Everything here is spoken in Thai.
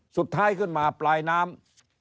สุดท้ายขึ้นมาปลายน้ำ